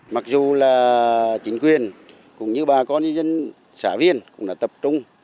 mặc dù là chính quyền cũng như bà con dân xã viên cũng là tập trung